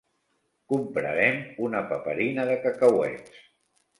Comprarem una paperina de cacauets.